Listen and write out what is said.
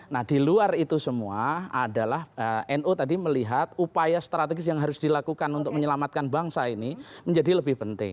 nah di luar itu semua adalah nu tadi melihat upaya strategis yang harus dilakukan untuk menyelamatkan bangsa ini menjadi lebih penting